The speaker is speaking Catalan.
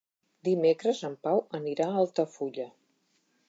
Dimecres en Pau anirà a Altafulla.